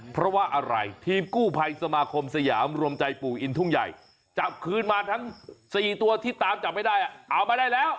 เพราะว่าอะไรทีมกู้ภัยสมาคมสยามรวมใจปู่อินทุ่งใหญ่จับคืนมาทั้ง๔ตัวที่ตามจับไม่ได้เอามาได้แล้ว